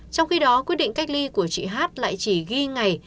trong khi đó quyết định cách ly của chị hát lại chỉ ghi ngày